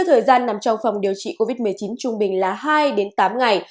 thời gian nằm trong phòng điều trị covid một mươi chín trung bình là hai đến tám ngày